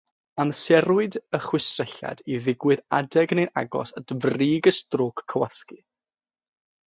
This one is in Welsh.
Amserwyd y chwistrelliad i ddigwydd adeg neu'n agos at frig y strôc cywasgu.